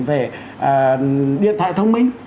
về điện thoại thông minh